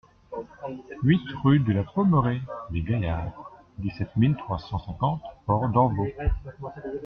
huit rue de la Pommeraie des Gaillards, dix-sept mille trois cent cinquante Port-d'Envaux